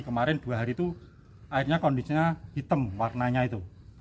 kemarin dua hari itu airnya kondisinya hitam warnanya itu